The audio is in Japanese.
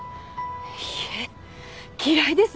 いいえ嫌いです。